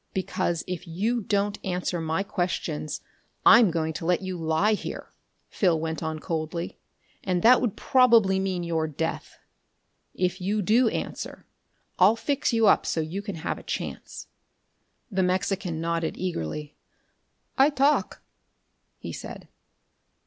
"Because if you don't answer my questions, I'm going to let you lie here," Phil went on coldly. "And that would probably mean your death. If you do answer, I'll fix you up so you can have a chance." The Mexican nodded eagerly. "I talk," he said.